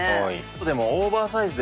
でもオーバーサイズで。